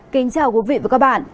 kính chào quý vị và các bạn